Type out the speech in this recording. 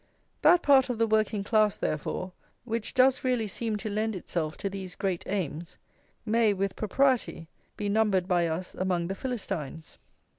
That part of the working class, therefore, which does really seem to lend itself to these great aims, may, with propriety, be numbered by us among the Philistines.